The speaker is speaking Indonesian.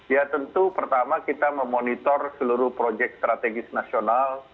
ya tentu pertama kita memonitor seluruh proyek strategis nasional